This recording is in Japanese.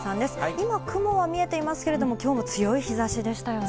今、雲は見えていますけれども、きょうも強い日ざしでしたよね。